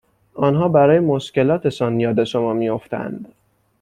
آنها برای مشکلاتشان یاد شما می افتند،